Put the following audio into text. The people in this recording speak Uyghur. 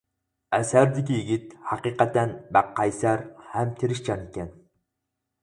ئەسەردىكى يىگىت ھەقىقەتەن بەك قەيسەر ھەم تىرىشچان ئىكەن.